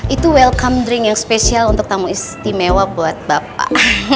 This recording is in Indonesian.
itu welcome drink yang spesial untuk tamu istimewa buat bapak